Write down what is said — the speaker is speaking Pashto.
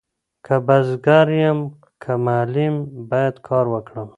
که بزګر يم که معلم بايد کار وکړم.